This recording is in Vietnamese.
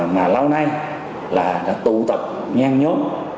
mà lâu nay là đã tụ tập ngang nhóm